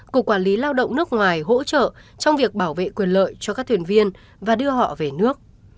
cục quản lý lao động nước ngoài hỗ trợ trong việc bảo vệ quyền lợi cho các thuyền viên và đưa họ về nước